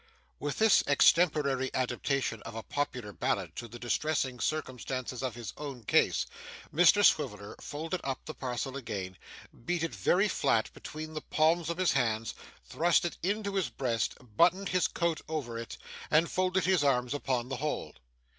With this extemporary adaptation of a popular ballad to the distressing circumstances of his own case, Mr Swiveller folded up the parcel again, beat it very flat between the palms of his hands, thrust it into his breast, buttoned his coat over it, and folded his arms upon the whole.